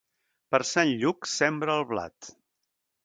Per Sant Lluc sembra el blat.